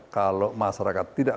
kalau masyarakat tidak